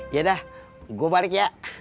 yaudah gua balik ya